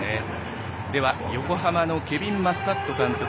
では横浜のケヴィン・マスカット監督